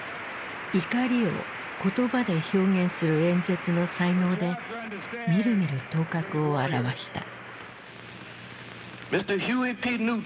怒りを言葉で表現する演説の才能でみるみる頭角を現した。